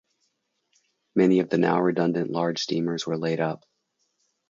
Many of the now redundant large steamers were laid up.